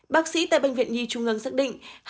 bác sĩ tại bệnh viện nhi trung ương xác định